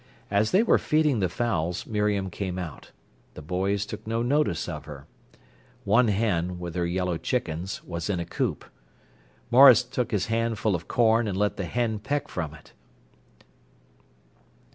As they were feeding the fowls Miriam came out. The boys took no notice of her. One hen, with her yellow chickens, was in a coop. Maurice took his hand full of corn and let the hen peck from it.